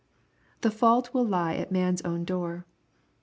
The fault will lie at man's own door.